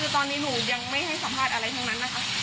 คือตอนนี้หนูยังไม่ให้สัมภาษณ์อะไรทั้งนั้นนะคะ